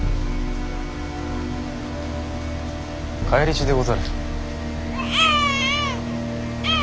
返り血でござる。